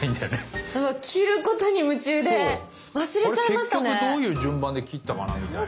あれ結局どういう順番で切ったかなみたいな。